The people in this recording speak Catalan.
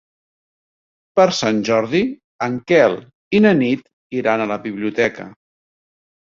Per Sant Jordi en Quel i na Nit iran a la biblioteca.